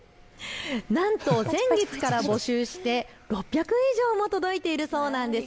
なんと先月から募集して６００以上も届いているそうなんです。